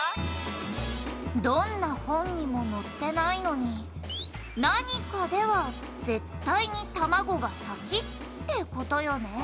「どんな本にも載ってないのに何かでは絶対に卵が先って事よね」